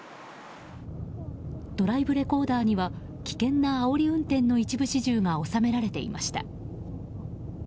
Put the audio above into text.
ドライブレコーダーには危険なあおり運転の一部始終が収められていました。